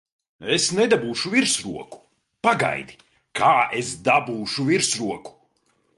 Es nedabūšu virsroku! Pagaidi, kā es dabūšu virsroku!